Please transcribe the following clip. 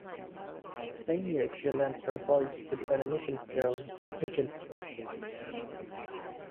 That same year she lent her voice to the animation film "Agent Crush".